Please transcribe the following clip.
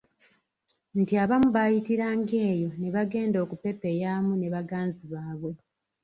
Nti abamu baayitiranga eyo ne bagenda okupepeyaamu ne baganzi baabwe.